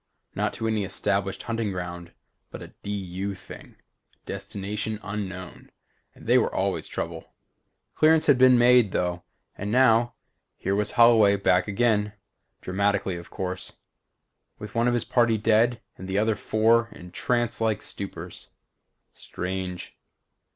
Not to any established hunting ground but a D. U. thing. Destination Unknown, and they were always trouble. Clearance had been made, though, and now here was Holloway back again dramatically of course with one of his party dead and the other four in trance like stupors. Strange.